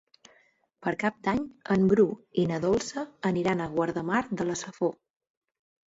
Per Cap d'Any en Bru i na Dolça aniran a Guardamar de la Safor.